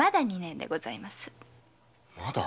まだ？